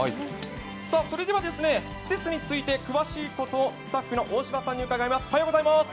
それでは、施設について詳しいこと、スタッフの大柴さんに伺います。